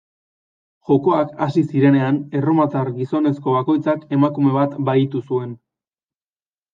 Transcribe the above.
Jokoak hasi zirenean, erromatar gizonezko bakoitzak emakume bat bahitu zuen.